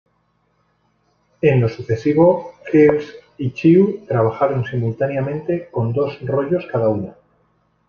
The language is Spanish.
En lo sucesivo, Hirsh y Chew trabajaron simultáneamente con dos rollos cada uno.